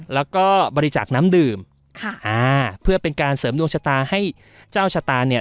แล้วก็บริจาคน้ำดื่มค่ะอ่าเพื่อเป็นการเสริมดวงชะตาให้เจ้าชะตาเนี่ย